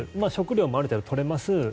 食料もある程度取れます。